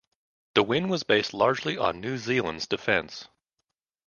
The win was based largely on New Zealand’s defence.